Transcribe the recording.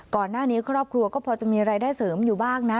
ครอบครัวก็พอจะมีรายได้เสริมอยู่บ้างนะ